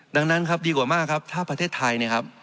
ดังนั้นครับดีกว่ามากครับถ้าประเทศไทย